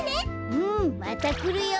うんまたくるよ。